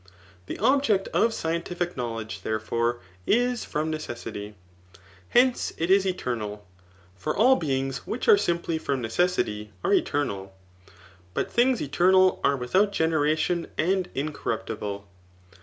The object of scientific knowledge, therefore, is from neces^ sity. Hence, it is eternal. For all beings which are simply from necessity are eternal ; but things eternal are without generation and incorruptible.